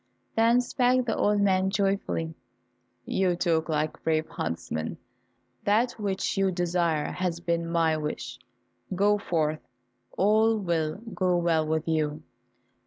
Then spake the old man joyfully, "You talk like brave huntsmen, that which you desire has been my wish; go forth, all will go well with you."